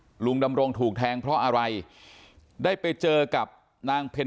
นี่น้องจีนดามณีก็ยังหน้าตาตกใจอยู่เลยทุกวันคืน